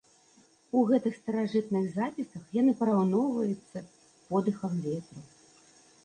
У гэтых старажытных запісах яны параўноўваецца з подыхам ветру.